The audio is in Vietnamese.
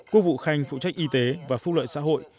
quốc vụ khanh phụ trách y tế và phúc lợi xã hội